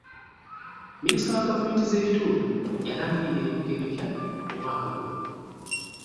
Minisita wa gavumenti z'ebitundu yalangirira ebibuga ebipya omwaka guno.